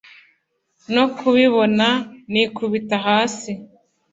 no kubibona nikubita hasi